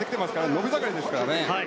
伸び盛りですから。